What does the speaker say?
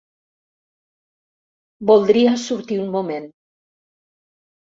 Voldria sortir un moment.